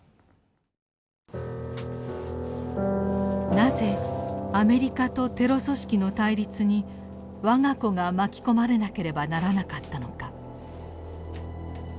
なぜアメリカとテロ組織の対立に我が子が巻き込まれなければならなかったのか。